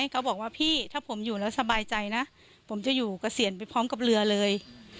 เขาบอกว่าพี่ถ้าผมอยู่แล้วสบายใจนะผมจะอยู่เกษียณไปพร้อมกับเรือเลย